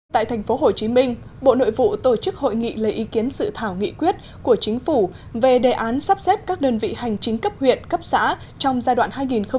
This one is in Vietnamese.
tại tp hcm bộ nội vụ tổ chức hội nghị lấy ý kiến sự thảo nghị quyết của chính phủ về đề án sắp xếp các đơn vị hành chính cấp huyện cấp xã trong giai đoạn hai nghìn một mươi chín hai nghìn hai mươi một